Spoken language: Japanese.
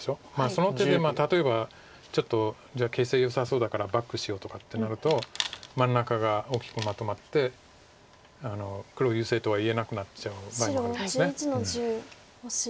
その手で例えばちょっとじゃあ形勢よさそうだからバックしようとかってなると真ん中が大きくまとまって黒優勢とは言えなくなっちゃう場合もあるんです。